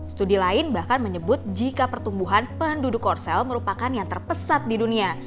studi lain bahkan menyebut jika pertumbuhan penduduk korsel merupakan yang terpesat di dunia